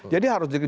jadi harus dikritik